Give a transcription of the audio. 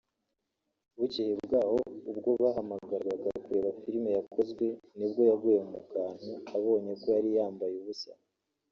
Bucyeye bwaho ubwo bahamagarwaga kureba filime yakozwe nibwo yaguye mu kantu abonye ko yari yambaye ubusa"